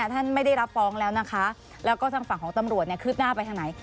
ท่านไม่ได้รับฟ้องแล้วนะคะแล้วก็ทางฝั่งของตำรวจคืบหน้าไปทางไหน